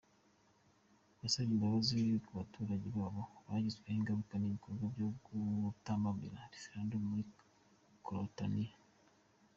Yasabye imbabazi ku baturage baba baragizweho ingaruka n’ibikorwa byo gutambamira referendum muri Catalonia.